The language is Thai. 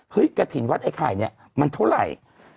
เฮ้ยกระถินวัดไอ้ไข่นี่มันเท่าไร